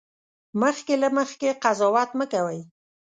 مخکې له مخکې قضاوت مه کوئ